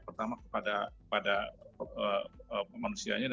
pertama kepada manusianya